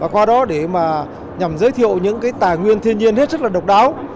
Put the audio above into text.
và qua đó để nhằm giới thiệu những tài nguyên thiên nhiên rất độc đáo